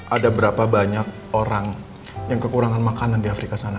ada berapa banyak orang yang kekurangan makanan di afrika sana